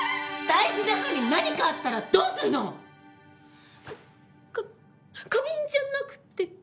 大事な歯に何かあったらどうするの！？か花瓶じゃなくて歯？